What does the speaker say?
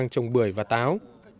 trồng bưởi và táo